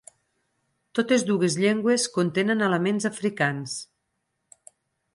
Totes dues llengües contenen elements africans.